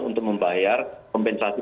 untuk membayar pembensasi